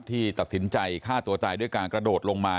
ที่ตัดสินใจฆ่าตัวตายด้วยการกระโดดลงมา